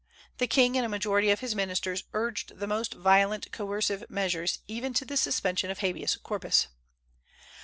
The king and a majority of his ministers urged the most violent coercive measures, even to the suspension of habeas corpus.